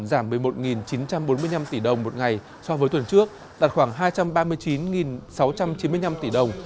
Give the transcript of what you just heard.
giảm một mươi một chín trăm bốn mươi năm tỷ đồng một ngày so với tuần trước đạt khoảng hai trăm ba mươi chín sáu trăm chín mươi năm tỷ đồng